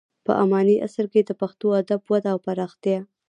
په اماني عصر کې د پښتو ادب وده او پراختیا.